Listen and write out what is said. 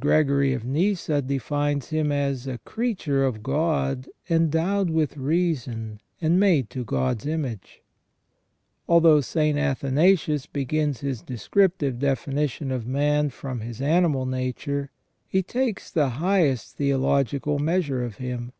Gregory of Nyssa defines him as " a creature of God endowed with reason and made to God's image ".f Although St. Athanasius begins his descriptive definition of man from his animal nature, he takes the highest theological measure of him.